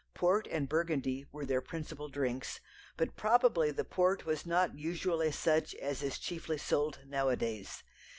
Port and Burgundy were their principal drinks, but probably the port was not usually such as is chiefly sold now a days.